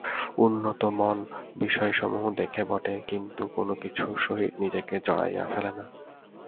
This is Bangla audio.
উন্নত মন বিষয়সমূহ দেখে বটে, কিন্তু কোন কিছুর সহিত নিজেকে জড়াইয়া ফেলে না।